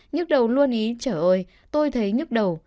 nhức đầu luôn ý chở ơi tôi thấy nhức đầu